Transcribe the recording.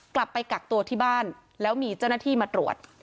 กลับไปกักตัวที่บ้านแล้วมีเจ้าหน้าที่มาตรวจ